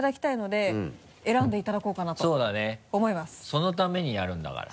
そのためにやるんだから。